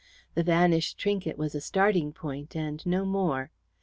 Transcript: The vanished trinket was a starting point, and no more.